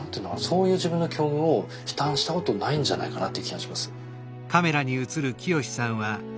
そういう自分の境遇を悲嘆したことないんじゃないかなっていう気がします。